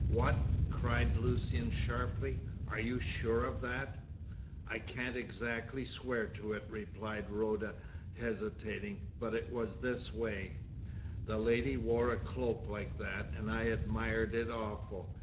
"What!" cried Lucian sharply. "Are you sure of that?" "I can't exactly swear to it," replied Rhoda, hesitating, "but it was this way: The lady wore a cloak like that, and I admired it awful.